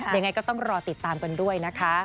ยังไงก็ต้องรอติดตามกันด้วยนะคะ